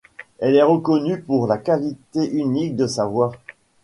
Elle est reconnue pour la qualité unique de sa voix.